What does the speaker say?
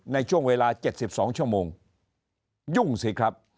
ในช่วงเวลา๗๒ชั่วโมงยุ่งสิครับ